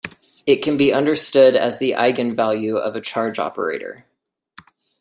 It can be understood as the eigenvalue of a charge operator.